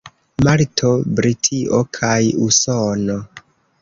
Malto, Britio kaj Usono.